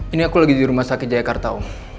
ini aku lagi di rumah sakit jayakarta om